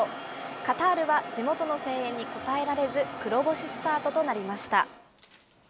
カタールは地元の声援に応えられず、黒星スタートとなりました。